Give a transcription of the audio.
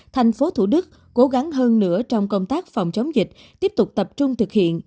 thành phố thủ đức cố gắng hơn nữa trong công tác phòng chống dịch tiếp tục tập trung thực hiện